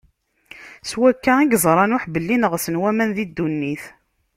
S wakka i yeẓra Nuḥ belli neɣsen waman di ddunit.